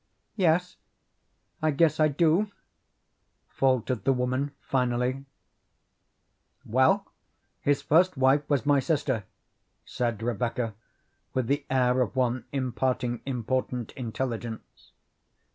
"Yes, I guess I do," faltered the woman finally. "Well, his first wife was my sister," said Rebecca with the air of one imparting important intelligence.